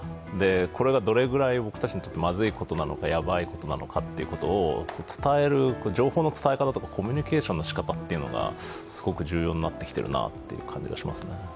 これがどれぐらい僕たちにとってまずいことなのかやばいことなのかということ伝える、情報の伝え方とかコミュニケーションのしかたがすごく重要になってきているなという感じがしますね。